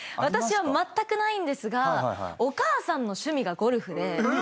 私はまったくないんですがお母さんの趣味がゴルフで。